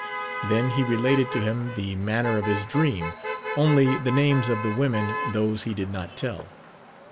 Then he related to him the manner of his dream, only the names of the women, those he did not tell.